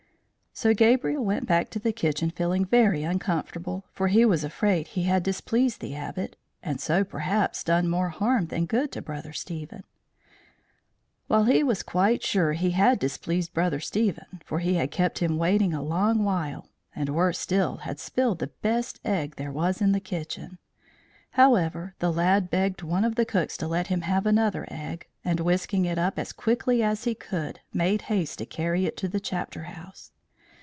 So Gabriel went back to the kitchen feeling very uncomfortable, for he was afraid he had displeased the Abbot, and so, perhaps, done more harm than good to Brother Stephen. While he was quite sure he had displeased Brother Stephen, for he had kept him waiting a long while, and worse still, had spilled the best egg there was in the kitchen! However, the lad begged one of the cooks to let him have another egg, and, whisking it up as quickly as he could, made haste to carry it to the chapter house.